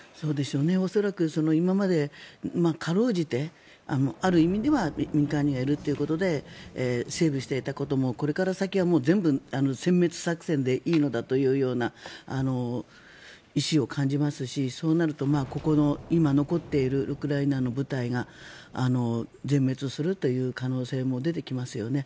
恐らく今まで辛うじてある意味では民間人がいるということで整備していたこともこれから先はせん滅作戦でいいのだというような意思を感じますしそうなるとここの今残っているウクライナの部隊が全滅するという可能性も出てきますよね。